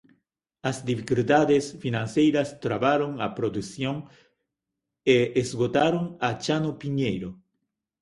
As dificultades financeiras trabaron a produción e esgotaron a Chano Piñeiro.